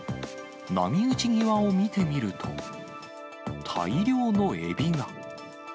波打ち際を見てみると、大量のエビが。